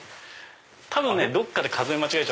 多分どっかで数え間違えた。